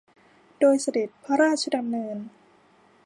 โดยเสด็จพระราชดำเนิน